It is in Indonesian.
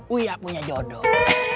uya punya jodoh